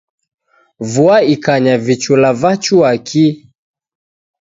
Vua ikanya vichula vachua ki.